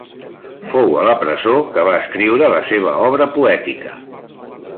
Fou a la presó que va escriure la seva obra poètica.